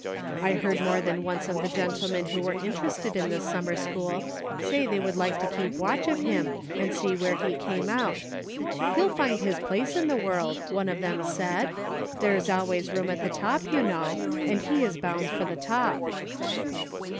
I heard more than one of the gentlemen who were interested in this summer school say they would like to keep watch of him and see where he came out. ' He'll find his place in the world,' one of them said, * there's always room at the top, you know ; and he is bound for the top.'